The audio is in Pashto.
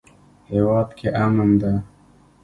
هیواد کې امن ده